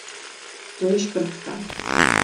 To je šprcka.